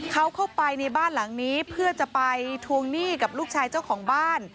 เขาเข้าไปในบ้านหลังนี้เพื่อจะไปทวงหนี้กับลูกชายเจ้าของบ้าน